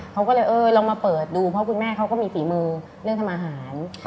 เขาก็เลยเออลองมาเปิดดูเพราะคุณแม่เขาก็มีฝีมือเรื่องทำอาหาร